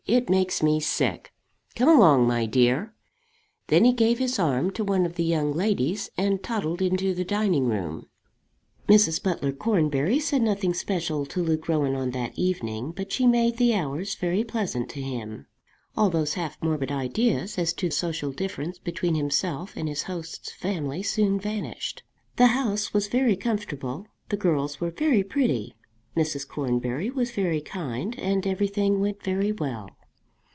It makes me sick. Come along, my dear." Then he gave his arm to one of the young ladies, and toddled into the dining room. Mrs. Butler Cornbury said nothing special to Luke Rowan on that evening, but she made the hours very pleasant to him. All those half morbid ideas as to social difference between himself and his host's family soon vanished. The house was very comfortable, the girls were very pretty, Mrs. Cornbury was very kind, and everything went very well.